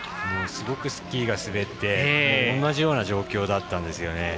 すごくスキーが滑って同じような状況だったんですね。